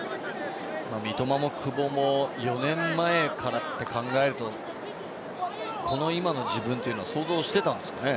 三笘も久保も４年前からって考えるとこの今の自分というのを想像していたんですかね。